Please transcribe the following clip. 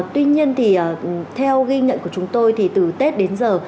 tuy nhiên thì theo ghi nhận của chúng tôi thì từ tết đến giờ